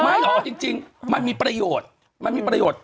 หรอจริงมันมีประโยชน์มันมีประโยชน์